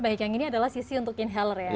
baik yang ini adalah sisi untuk inhaler ya